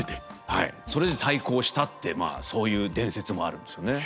はいそれで対抗したってまあそういう伝説もあるんですよね。